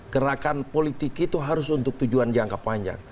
gerakan politik itu harus untuk tujuan jangka panjang